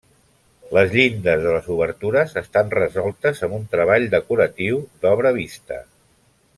Les llindes de les obertures estan resoltes amb un treball decoratiu d'obra vista.